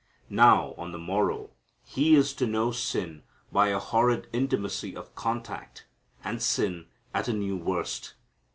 Now, on the morrow, He is to know sin by a horrid intimacy of contact, and sin at a new worst.